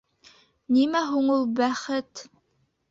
Нимә һуң ул бәхет?